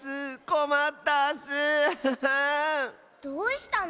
どうしたの？